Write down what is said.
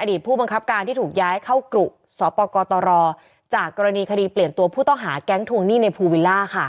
อดีตผู้บังคับการที่ถูกย้ายเข้ากรุสปกตรจากกรณีคดีเปลี่ยนตัวผู้ต้องหาแก๊งทวงหนี้ในภูวิลล่าค่ะ